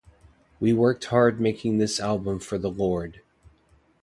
We worked hard making this album for the Lord.